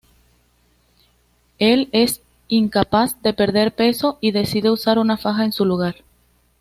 Él es incapaz de perder peso y decide usar una faja en su lugar.